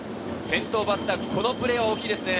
先頭バッター、このプレーは大きいですね。